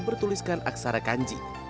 bertuliskan aksara kanji